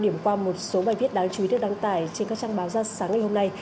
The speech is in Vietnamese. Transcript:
điểm qua một số bài viết đáng chú ý được đăng tải trên các trang báo ra sáng ngày hôm nay